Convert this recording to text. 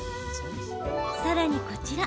さらに、こちら。